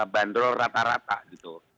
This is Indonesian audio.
bandrol rata rata gitu